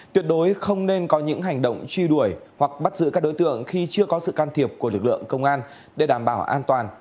tuyệt đối không nên có những hành động truy đuổi hoặc bắt giữ các đối tượng khi chưa có sự can thiệp của lực lượng công an để đảm bảo an toàn